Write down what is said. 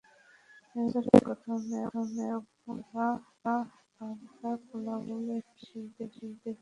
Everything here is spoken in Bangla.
বছরের প্রথমে অবমুক্ত করা বাগদা পোনাগুলো এপ্রিল মাসের শেষের দিকে মরে গেছে।